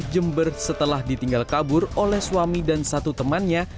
jember setelah ditinggal kabur oleh suami dan satu temannya